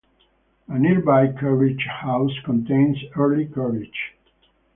A nearby carriage house contains early carriages.